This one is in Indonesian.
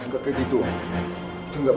enggak kayak gitu om